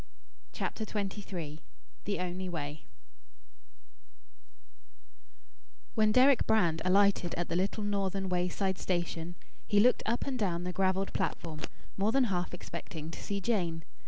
CHAPTER XXIII THE ONLY WAY When Deryck Brand alighted at the little northern wayside station, he looked up and down the gravelled platform, more than half expecting to see Jane.